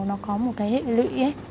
nó có một cái hệ lụy ấy